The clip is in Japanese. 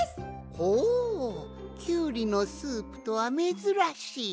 ほうキュウリのスープとはめずらしい。